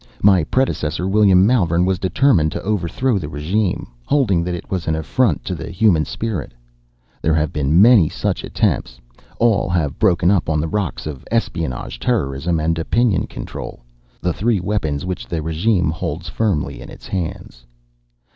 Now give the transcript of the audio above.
My predecessor, William Malvern, determined to overthrow the regime, holding that it was an affront to the human spirit. There have been many such attempts. All have broken up on the rocks of espionage, terrorism and opinion control the three weapons which the regime holds firmly in its hands.